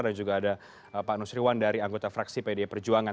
dan juga ada pak desriwan dari anggota fraksi pde perjuangan